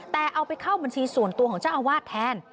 แต่เอาไปเข้าบัญชีส่วนตัวของเจ้าอาวาสแทน